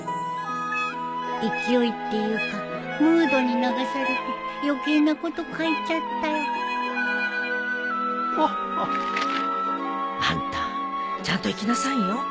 勢いっていうかムードに流されて余計なこと書いちゃったよあんたちゃんと行きなさいよ。